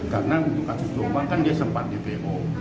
karena untuk kasus jombang kan dia sempat dpo